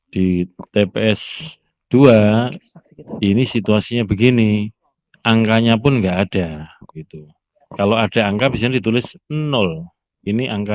di tps dua ini situasinya begini angkanya pun enggak ada gitu kalau ada angka bisa ditulis ini angka